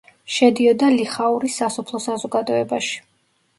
შედიოდა ლიხაურის სასოფლო საზოგადოებაში.